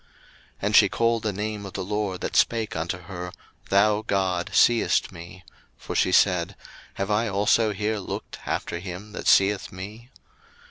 01:016:013 And she called the name of the LORD that spake unto her, Thou God seest me: for she said, Have I also here looked after him that seeth me?